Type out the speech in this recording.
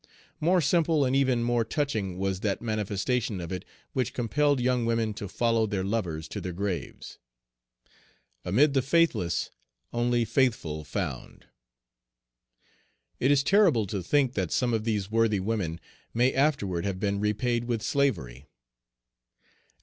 More simple and even more touching was that manifestation of it which compelled young women to follow their lovers to their graves, "Amid the faithless only faithful found." It is terrible to think that some of these worthy women may afterward have been repaid with slavery.